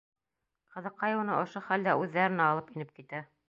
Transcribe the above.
Ҡыҙыҡай уны ошо хәлдә үҙҙәренә алып инеп китә.